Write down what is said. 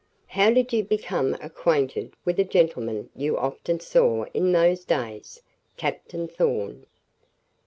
"How did you become acquainted with a gentleman you often saw in those days Captain Thorn?"